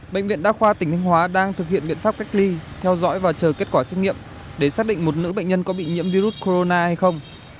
bệnh viện đa khoa tỉnh thanh hóa đang thực hiện biện pháp cách ly theo dõi và chờ kết quả xét nghiệm để xác định một nữ bệnh nhân có bị nhiễm virus corona hay không